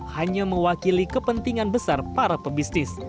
hanya mewakili kepentingan besar para pebisnis